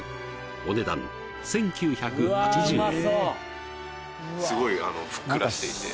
お値段１９８０円